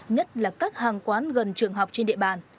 nhất là các hàng quán gần trường học trên địa bàn